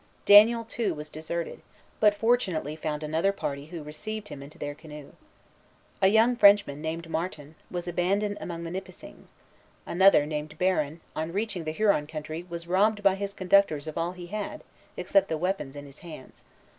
Daniel, too, was deserted, but fortunately found another party who received him into their canoe. A young Frenchman, named Martin, was abandoned among the Nipissings; another, named Baron, on reaching the Huron country, was robbed by his conductors of all he had, except the weapons in his hands.